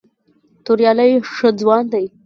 توریالی ښه ځوان دی.